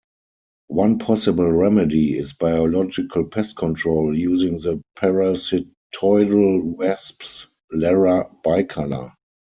One possible remedy is biological pest control using the parasitoidal wasps "Larra bicolor".